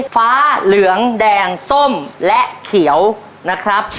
ฟ้าเหลืองแดงส้มและเขียวนะครับ